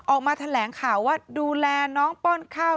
ออกมาแถลงข่าวว่าดูแลน้องป้อนข้าว